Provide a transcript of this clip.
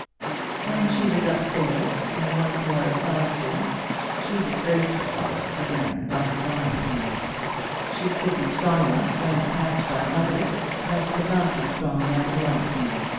When she was upstairs, and once more in solitude, she disgraced herself again by crying. She could be strong enough when attacked by others, but could not be strong when alone.